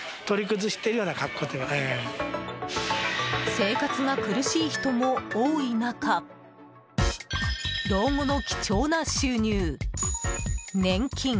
生活が苦しい人も多い中老後の貴重な収入、年金。